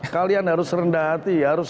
kalian harus rendah hati